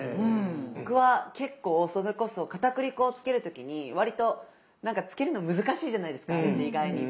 僕は結構それこそかたくり粉をつける時に割とつけるの難しいじゃないですか意外に。